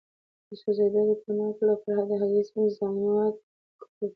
د سوځیدو د تڼاکو لپاره د هګۍ د سپین ضماد وکاروئ